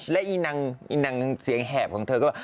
และอีนางเสียงแหบของเธอก็